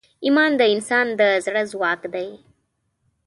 ایمان د انسان د زړه ځواک دی.